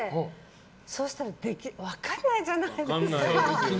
そうしたら分からないじゃないですか。